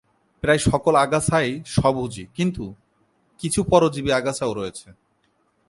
প্রায় সকল আগাছাই স্বভোজী কিন্তু কিছু পরজীবী আগাছাও রয়েছে।